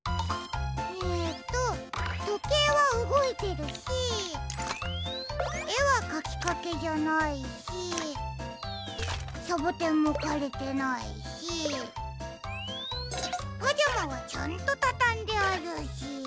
えととけいはうごいてるしえはかきかけじゃないしサボテンもかれてないしパジャマはちゃんとたたんであるし。